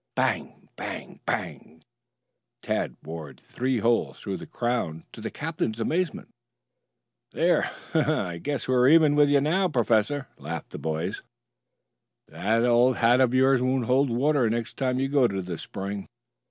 Bang, bang, bang! Tad bored three holes through the crown to the captain's amazement. "There! I guess we are even with you now, Professor," laughed the boy. "That old hat of yours won't hold water next time you go to the spring."